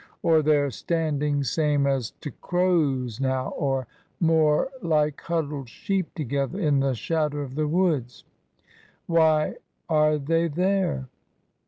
Or they're standing same as t' crows now, or more like huddled sheep together in the shadow of the woods. Why are they there